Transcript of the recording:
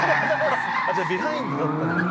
じゃあビハインドだったんだ。